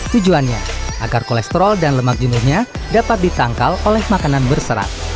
tujuannya agar kolesterol dan lemak jenuhnya dapat ditangkal oleh makanan berserat